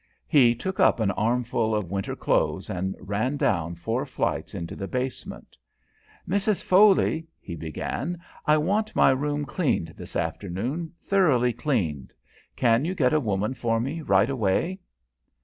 He took up an armful of winter clothes and ran down four flights into the basement. "Mrs. Foley," he began, "I want my room cleaned this afternoon, thoroughly cleaned. Can you get a woman for me right away?"